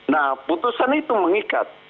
nah putusan itu mengikat